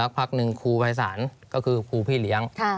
สักพักนึงครูไพรศาลก็คือครูพี่เลี้ยง